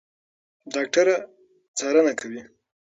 ډاکټره څارنه کوي.